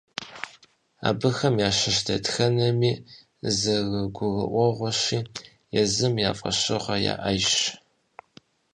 Абыхэм ящыщ дэтхэнэми, зэрыгурыӀуэгъуэщи, езым я фӀэщыгъэ яӀэжщ.